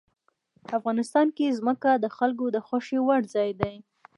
افغانستان کې ځمکه د خلکو د خوښې وړ ځای دی.